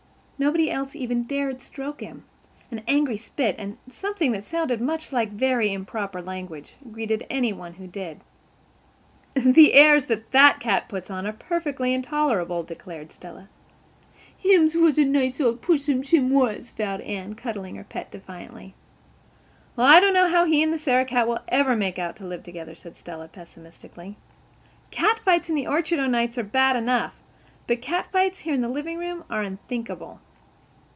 Nobody else even dared stroke him. An angry spit and something that sounded much like very improper language greeted any one who did. "The airs that cat puts on are perfectly intolerable," declared Stella. "Him was a nice old pussens, him was," vowed Anne, cuddling her pet defiantly. "Well, I don't know how he and the Sarah cat will ever make out to live together," said Stella pesimistically. "Cat fights in the orchard o'nights are bad enough. But cat fights here in the livingroom are unthinkable."